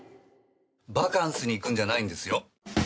バカンスに行くんじゃないんですよ。